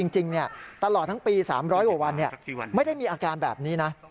จริงตลอดทั้งปี๓๐๐กว่าวันไม่ได้มีอาการแบบนี้นะ